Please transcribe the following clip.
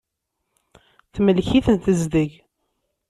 Temlek-iten tezdeg.